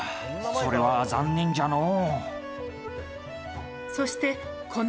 それは残念じゃのう。